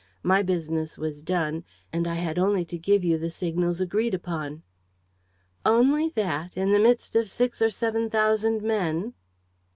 My business was done and I had only to give you the signals agreed upon." "Only that! In the midst of six or seven thousand men!"